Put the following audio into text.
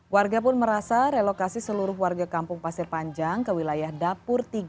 warga pun merasa relokasi seluruh warga kampung pasir panjang ke wilayah dapur tiga